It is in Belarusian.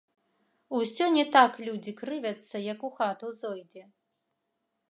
Усё не так людзі крывяцца, як у хату зойдзе.